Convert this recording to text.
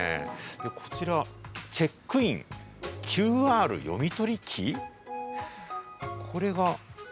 こちら、チェックインＱＲ読み取り機？